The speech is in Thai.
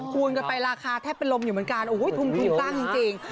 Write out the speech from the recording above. คูณก็ไปราคาแทบเป็นลมอยู่เหมือนกันถุงตั้งจริง